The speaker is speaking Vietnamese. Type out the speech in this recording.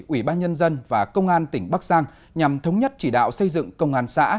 ủy ban nhân dân và công an tỉnh bắc giang nhằm thống nhất chỉ đạo xây dựng công an xã